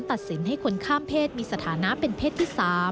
ตัดสินให้คนข้ามเพศมีสถานะเป็นเพศที่๓